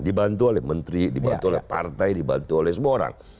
dibantu oleh menteri dibantu oleh partai dibantu oleh semua orang